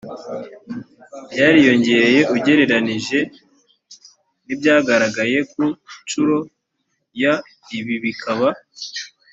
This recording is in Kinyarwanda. byariyongereye ugereranije n ibyagaragaye ku nshuro ya ibi bikaba